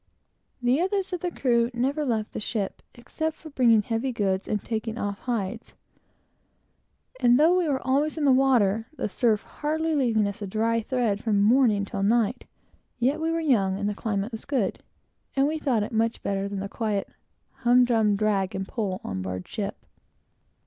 The rest of the crew never left the ship, except for bringing heavy goods and taking off hides; and though we were always in the water, the surf hardly leaving us a dry thread from morning till night, yet we were young, and the climate was good, and we thought it much better than the quiet, hum drum drag and pull on board ship.